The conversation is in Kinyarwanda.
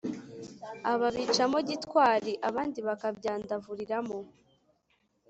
ababicamo gitwari abandi bakabyandavuriramo.